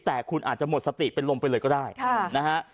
แต่คุณอาจจะหมดสติเป็นลมไปเลยก็ได้นะฮะ